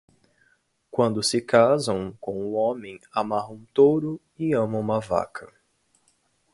Quando se casam com o homem, amarram um touro e amam uma vaca.